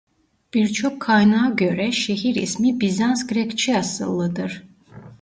Birçok kaynağa göre şehir ismi Bizans Grekçe asıllıdır.